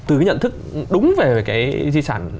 từ cái nhận thức đúng về cái di sản